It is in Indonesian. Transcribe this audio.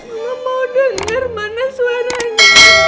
mama mau denger mana suaranya